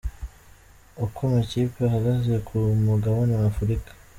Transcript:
Uko amakipe ahagaze ku mugabane w'Afurika:.